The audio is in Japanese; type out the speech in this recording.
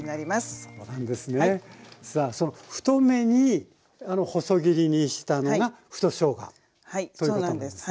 さあその太めに細切りにしたのが太しょうがということなんですね。